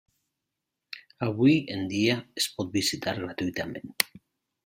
Avui en dia es pot visitar gratuïtament.